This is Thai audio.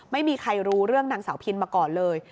ไม่มีใครรู้เรื่องนางสาวพินมาก่อนเลย